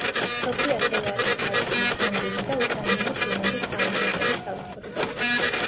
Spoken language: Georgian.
სოფი ასევე არის ქართული, ფრანგული და უკრაინული ფილმების საუნდტრეკების ავტორი.